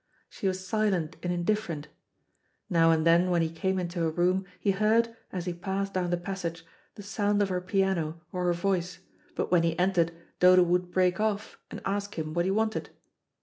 She was silent and indifferent. Now and then when he came into her room he heard, as he passed down the passage, the sound of her piano or her voice, but when he entered Dodo would break off and ask him what he wanted.